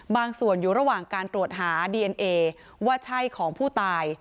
ส่วนอยู่ระหว่างการตรวจหาดีเอ็นเอว่าใช่ของผู้ตาย